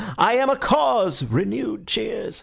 I am a cause (renewed cheers).